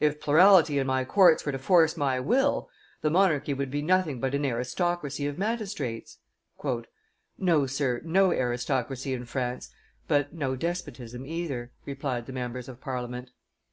If plurality in my courts were to force my will, the monarchy would be nothing but an aristocracy of magistrates." "No, sir, no aristocracy in France, but no despotism either," replied the members of parliament.